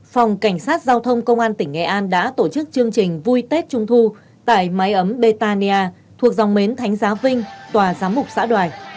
phòng cảnh sát giao thông công an tỉnh nghệ an đã tổ chức chương trình vui tết trung thu tại mái ấm betanya thuộc dòng mến thánh giá vinh tòa giám mục xã đoài